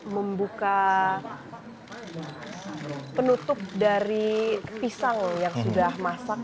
membuka penutup dari pisang yang sudah masak